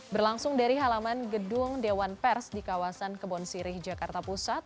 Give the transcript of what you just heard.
berlangsung dari halaman gedung dewan pers di kawasan kebon sirih jakarta pusat